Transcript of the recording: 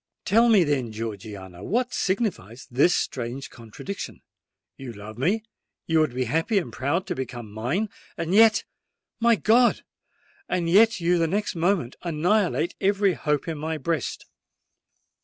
Tell me, then, Georgiana—what signifies this strange contradiction? You love me—you would be happy and proud to become mine;—and yet—my God!—and yet you the next moment annihilate every hope in my breast!"